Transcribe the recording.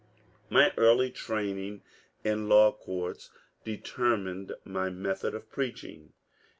My early training in law courts determined my method of preaching.